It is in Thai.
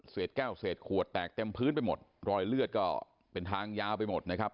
แก้วเศษขวดแตกเต็มพื้นไปหมดรอยเลือดก็เป็นทางยาวไปหมดนะครับ